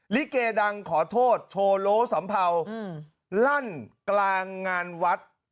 ลิเกดังขอโทษโชว์โลสัมเภาลั่นกลางงานวัด